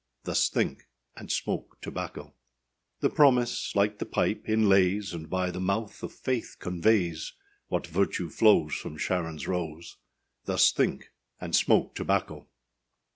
Thus think, and smoke tobacco. The promise, like the pipe, inlays, And by the mouth of faith conveys, What virtue flows From Sharonâs rose. Thus think, and smoke tobacco.